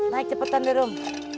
naik cepetan rom